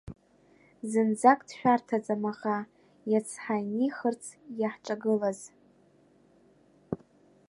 Зынӡак дшәарҭаӡам аӷа, иац ҳанихырц иаҳҿагылаз…